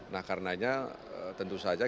nah karenanya tentu saja